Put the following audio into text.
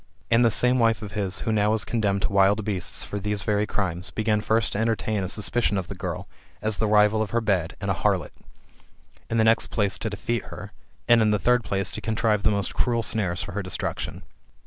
And this same wife of his, who was now condemned to wild beasts for these very crimes, began first to entertain a suspicion of the girl, as the rival of her bed, and a harlot; in the next place to detest her; and in the third place to contrive the most cruel snares for her destruction.